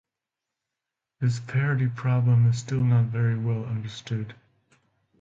This parity problem is still not very well understood.